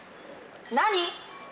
何？